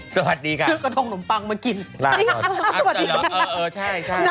ซื้อกระทงนมปังมากินสวัสดีค่ะเออใช่